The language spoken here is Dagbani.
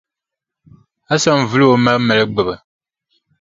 Hasan vili o ma mali gbubi.